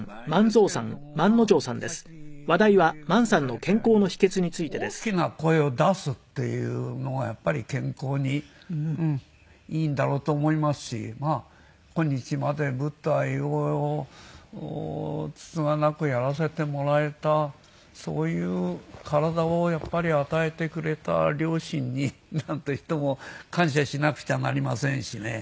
いや特別ないんですけれどもさっき申し上げたように大きな声を出すっていうのがやっぱり健康にいいんだろうと思いますし今日まで舞台をつつがなくやらせてもらえたそういう体をやっぱり与えてくれた両親になんといっても感謝しなくちゃなりませんしね。